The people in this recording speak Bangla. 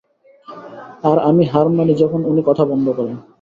আর আমি হার মানি যখন উনি কথা বন্ধ করেন।